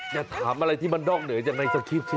อย่าถามอะไรที่มันด้องเหนื่อยจากในสกิฟต์สิ